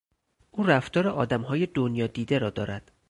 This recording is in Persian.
او رفتار آدمهای دنیادیده را دارد.